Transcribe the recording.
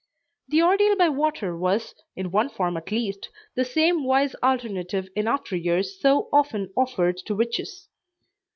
The ordeal by water was, in one form at least, the same wise alternative in after years so often offered to witches.